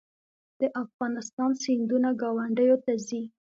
د افغانستان سیندونه ګاونډیو ته ځي